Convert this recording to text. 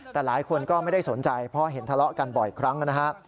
แต่หลายคนก็ไม่ได้สนใจเพราะเห็นทะเลาะกันบ่อยครั้งนะฮะ